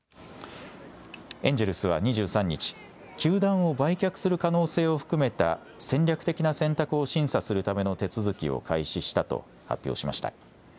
エンジェルスは２３日、球団を売却する可能性を含めた戦略的な選択を審査するための手続きを開始したと発表しました。